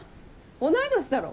同い年だろ。